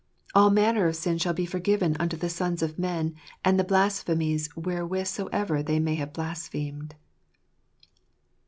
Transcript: All manner of sin shall be forgiven unto the sons of men, and the blasphemies wherewith soever they may have blasphemed.